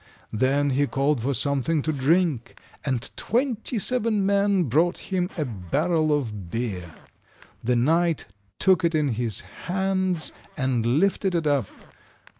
Then he called for something to drink, and twenty seven men brought him a barrel of beer. The knight took it in his hands and lifted it up.